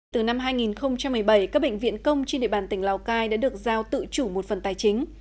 từ năm hai nghìn một mươi bảy các bệnh viện công trên địa bàn tỉnh lào cai đã được giao tự chủ một phần tài chính